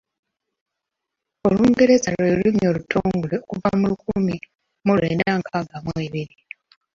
Olungereza lwe lulimi olutongole okuva mu lukumi mu lwenda nkaaga mu ebiri.